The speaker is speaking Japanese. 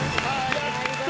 やった！